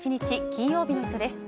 金曜日の「イット！」です。